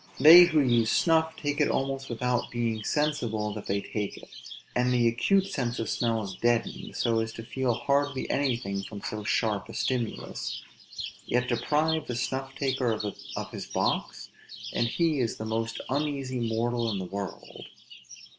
They who use snuff, take it almost without being sensible that they take it, and the acute sense of smell is deadened, so as to feel hardly anything from so sharp a stimulus; yet deprive the snuff taker of his box, and he is the most uneasy mortal in the world.